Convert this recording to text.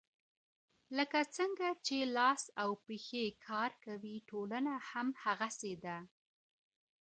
لکه څنګه چي لاس او پښې کار کوي ټولنه هم هغسې ده.